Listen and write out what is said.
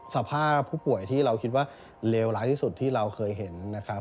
สภาพผู้ป่วยที่เราคิดว่าเลวร้ายที่สุดที่เราเคยเห็นนะครับ